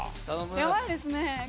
やばいですね。